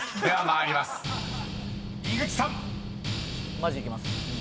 マジでいきます。